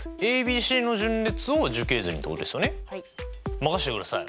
任してください。